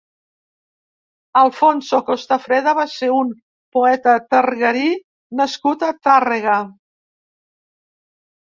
Alfonso Costafreda va ser un poeta targarí nascut a Tàrrega.